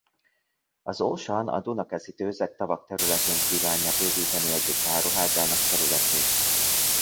Az Auchan a Dunakeszi-tőzegtavak területén kívánja bővíteni egyik áruházának területét.